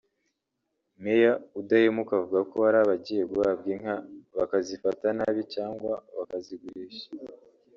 Meya Udahemuka avuga ko hari abagiye bahabwa inka bakazifata nabi cyangwa bakazigurisha